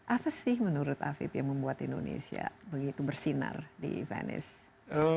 apa sih menurut afib yang membuat indonesia begitu bersinar di venice